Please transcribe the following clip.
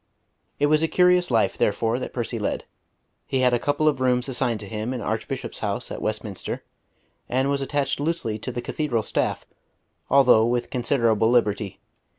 It was a curious life, therefore, that Percy led. He had a couple of rooms assigned to him in Archbishop's House at Westminster, and was attached loosely to the Cathedral staff, although with considerable liberty.